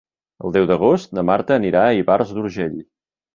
El deu d'agost na Marta anirà a Ivars d'Urgell.